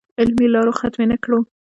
علمي لارو ختمې نه کړو.